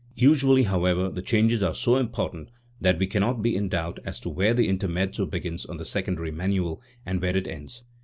Usually, however, the changes are so important that we cannot be in doubt as to where the intermezzo begins on the secondary manual, and where it ends.